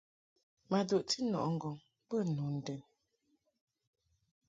Ma duʼti nɔʼɨ ŋgɔŋ be nu ndɛn.